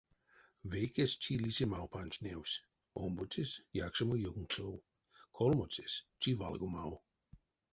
Вейкесь чилисемав панжтневсь, омбоцесь — якшамо ёнксов, колмоцесь — чивалгомав.